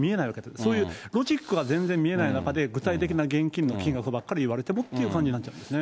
そういうロジックが全然見えない中で、具体的な現金の金額ばっかり言われてもってなっちゃいますよね。